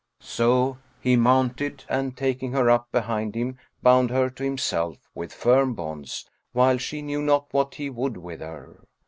So he mounted and, taking her up behind him bound her to himself with firm bonds, while she knew not what he would with her.